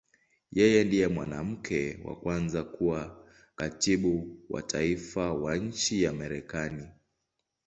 Yeye ndiye mwanamke wa kwanza kuwa Katibu wa Taifa wa nchi ya Marekani.